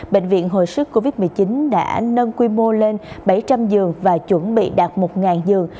bệnh viện hồi sức covid một mươi chín đã nâng quy mô lên bảy trăm linh giường và chuẩn bị đạt một giường